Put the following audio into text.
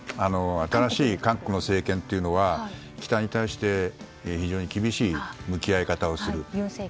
新しい韓国の政権というのは北に対して非常に厳しい向き合い方をする。